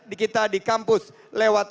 di kita di kampus lewat